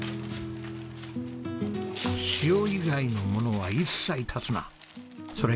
「塩以外のものは一切足すな」。